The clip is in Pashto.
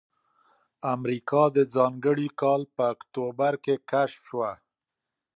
امریکا د ځانګړي کال په اکتوبر کې کشف شوه.